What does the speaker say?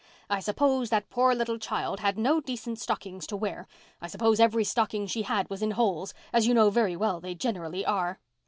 "I suppose that poor little child had no decent stockings to wear. I suppose every stocking she had was in holes, as you know very well they generally are.